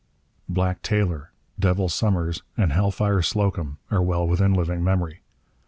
'Black Taylor,' 'Devil Summers,' and 'Hell fire Slocum' are well within living memory.